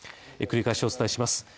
繰り返しお伝えします。